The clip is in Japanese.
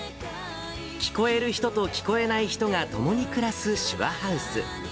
聞こえる人と聞こえない人が共に暮らす、しゅわハウス。